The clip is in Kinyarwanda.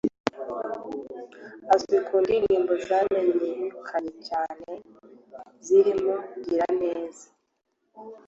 Azwi ku ndirimbo zamenyekanye cyane zirimo Gira neza